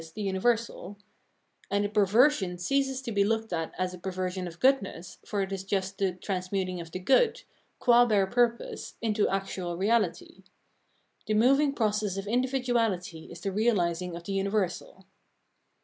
the universal) ; and the perversion ceases to be looked at as a perversion of goodness, for it is just the transmuting of the good, qua bare purpose, into actual reality. The moving process of individuality is the realising of the universal.